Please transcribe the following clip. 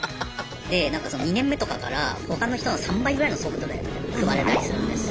で２年目とかから他の人の３倍ぐらいの速度で配れたりするんです。